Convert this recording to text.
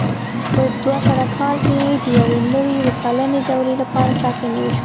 په دوه زره کال کې د یوې نوې اووه کلنې دورې لپاره ټاکنې وشوې.